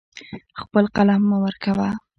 خپل قلم مه ورکوه.